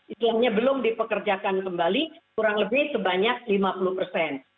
istilahnya belum dipekerjakan kembali kurang lebih sebanyak lima puluh persen